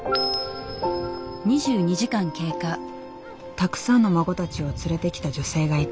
たくさんの孫たちを連れてきた女性がいた。